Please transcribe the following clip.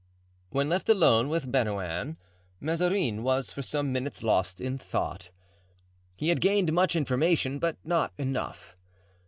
When left alone with Bernouin, Mazarin was for some minutes lost in thought. He had gained much information, but not enough.